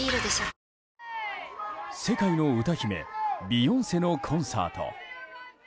世界の歌姫ビヨンセのコンサート。